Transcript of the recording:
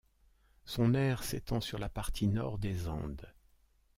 Son aire s'étend sur la partie nord des Andes.